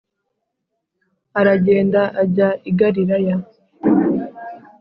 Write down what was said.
aragenda ajya i Galilaya